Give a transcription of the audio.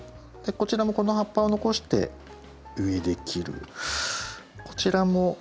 こちらもこの葉っぱを残して上で切る。